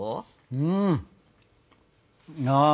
うんああ